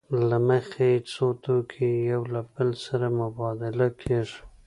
له مخې یې څو توکي یو له بل سره مبادله کېږي